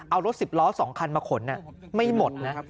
เอารถ๑๐ล้อ๒คันมาขนไม่หมดนะ